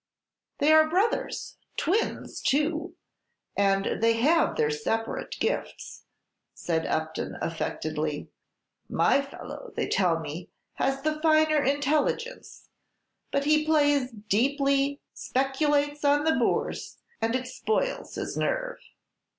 "They are brothers, twins, too; and they have their separate gifts," said Upton, affectedly. "My fellow, they tell me, has the finer intelligence; but he plays deeply, speculates on the Bourse, and it spoils his nerve."